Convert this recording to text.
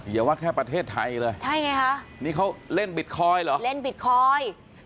อย่าว่าแค่ประเทศไทยเลยใช่ไงคะนี่เขาเล่นบิตคอยน์เหรอเล่นบิตคอยน์